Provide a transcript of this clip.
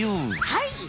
はい。